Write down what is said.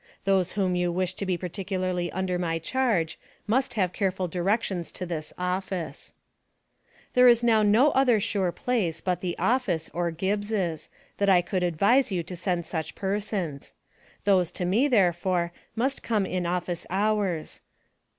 Those whom you wish to be particularly under my charge, must have careful directions to this office. There is now no other sure place, but the office, or Gibbs', that I could advise you to send such persons. Those to me, therefore, must come in office hours.